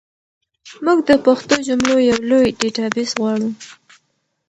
موږ د پښتو جملو یو لوی ډیټابیس غواړو.